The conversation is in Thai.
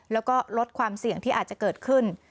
แล้วก็ลดความเสี่ยงที่อาจจะเกิดขึ้น